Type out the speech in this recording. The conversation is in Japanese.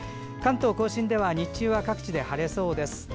関東・甲信では日中は各地で晴れそうです。